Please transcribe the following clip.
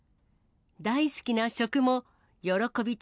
大好きな食も喜びと